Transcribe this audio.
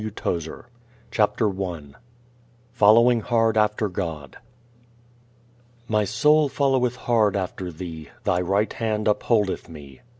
W. Tozer Chicago, Ill. June 16, 1948 I Following Hard after God My soul followeth hard after thee: thy right hand upholdeth me.